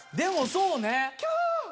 そうね。